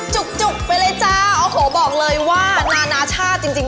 จุกจุกไปเลยจ้ะโอ้โหบอกเลยว่าปันนานาชาจริง